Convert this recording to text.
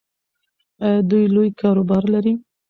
ایا دوی لوی کاروبار لري؟